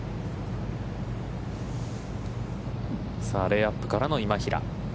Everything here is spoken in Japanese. レイアップからの今平。